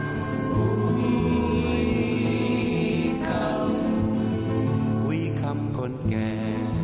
ภูยิคำภูยิคำคนแก่